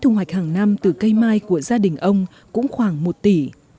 thương hoạch hàng năm từ cây mai của gia đình ông cũng khoảng một tỷ tỷ